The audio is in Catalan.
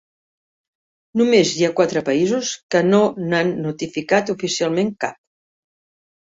Només hi ha quatre països que no n'han notificat oficialment cap.